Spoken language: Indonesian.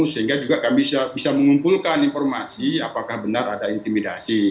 sehingga juga kami bisa mengumpulkan informasi apakah benar ada intimidasi